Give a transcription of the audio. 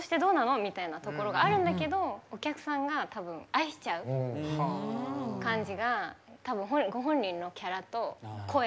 みたいなところがあるんだけどお客さんが多分愛しちゃう感じが多分ご本人のキャラと声と。